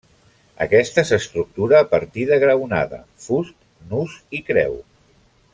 Aquesta s'estructura a partir de graonada, fust, nus i creu.